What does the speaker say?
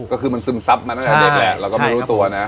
ก็คือมันซึมซับมาตั้งแต่เด็กแหละเราก็ไม่รู้ตัวนะ